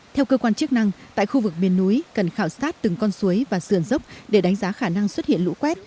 theo cơ quan chức năng tại khu vực miền núi cần khảo sát từng con suối và sườn dốc để đánh giá khả năng xuất hiện lũ quét